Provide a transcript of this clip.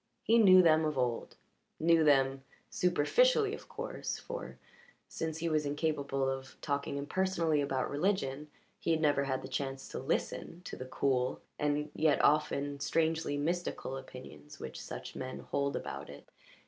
He knew them of old knew them superficially, of course, for, since he was incapable of talking impersonally about religion, he had never had the chance to listen to the cool and yet often strangely mystical opinions which such men hold about it.